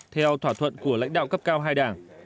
theo thỏa thuận của lãnh đạo cấp cao hai đảng